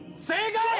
正解！